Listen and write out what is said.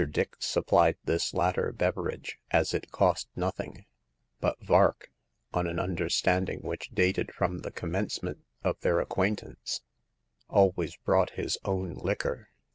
Dix supplied this latter beverage, as it cost nothing, but Vark — on an understanding which dated from the commence ment of their acquaintance — always brought his own liquor.